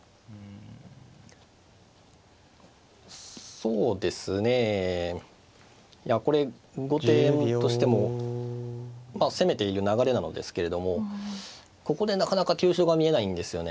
そうですねいやこれ後手としても攻めている流れなのですけれどもここでなかなか急所が見えないんですよね。